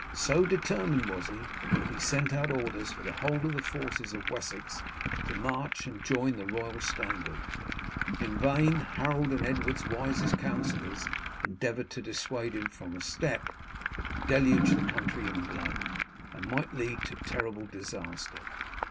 So determined was he, that he sent out orders for the whole of the forces of Wessex to march and join the royal standard. In vain Harold and Edward's wisest councillors endeavoured to dissuade him from a step that would deluge the country in blood, and might lead to terrible disaster.